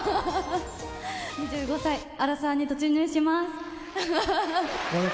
２５歳、アラサーに突入します。